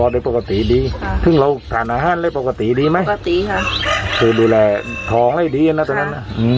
ลูกค่านผลผู้ค่ะน้อง